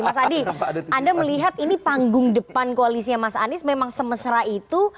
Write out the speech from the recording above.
mas adi anda melihat ini panggung depan koalisnya mas anies memang semesra itu